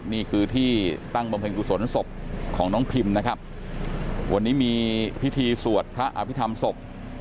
นี่คือที่ตั้งบำเพ็ญกุศลศพของน้องพิมนะครับวันนี้มีพิธีสวดพระอภิษฐรรมศพ